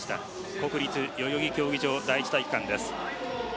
国立代々木競技場第一体育館です。